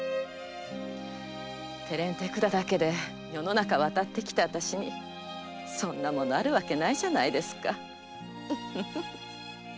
手練手管だけで世の中渡ってきた私にそんなものあるわけないじゃないですか。